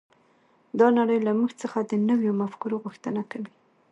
دا نړۍ له موږ څخه د نویو مفکورو غوښتنه کوي